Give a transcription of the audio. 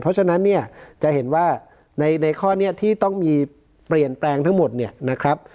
เพราะฉะนั้นเนี่ยจะเห็นว่าในข้อนี้ที่ต้องมีเปลี่ยนแปลงทั้งหมดเนี่ยนะครับ